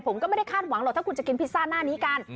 ผมก็ไม่ได้คาดหวังหรอกถ้าคุณจะกินพิซซ่าหน้านี้กัน